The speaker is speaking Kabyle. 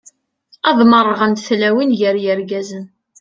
Ad merrɣent tlawin gar yirgazen.